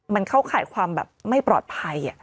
มันเข้าข่ายความแบบไม่ปลอดภัย